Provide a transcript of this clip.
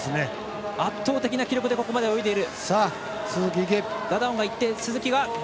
圧倒的な記録でここまで泳いでいる。